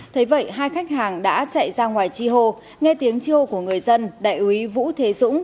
thế vậy hai khách hàng đã chạy ra ngoài chi hô nghe tiếng chi hô của người dân đại úy vũ thế dũng